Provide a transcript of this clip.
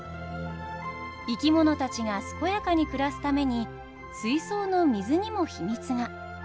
生き物たちが健やかに暮らすために水槽の水にも秘密が。